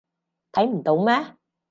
睇唔到咩？